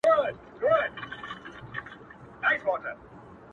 • کنې پاته یې له ډلي د سیلانو..